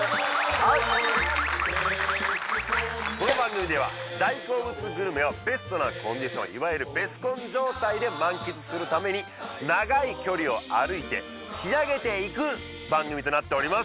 はいこの番組では大好物グルメをベストなコンディションいわゆるベスコン状態で満喫するために長い距離を歩いて仕上げていく番組となっております